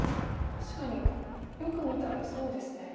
確かによく見たらそうですね。